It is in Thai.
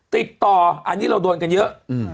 ติดต่ออันนี้เราโดนกันเยอะ